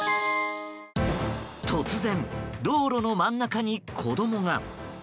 突然、道路の真ん中に子供が。